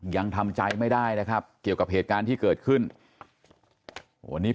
ยังทำใจไม่ได้นะครับเกี่ยวกับเหตุการณ์ที่เกิดขึ้นวันนี้